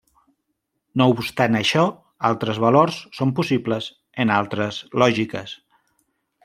No obstant això, altres valors són possibles en altres lògiques.